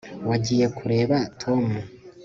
wagiye kureba tom